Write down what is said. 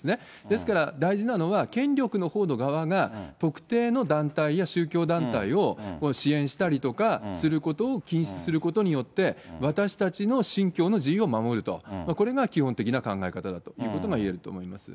ですから大事なのは、権力のほうの側が、特定の団体や宗教団体を支援したりとかすることを禁止することによって、私たちの信教の自由を守ると、これが基本的な考え方だということが言えると思います。